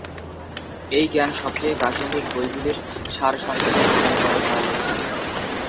এই জ্ঞান সবচেয়ে প্রাসঙ্গিক বইগুলির সারসংক্ষেপে প্রদান করা হয়।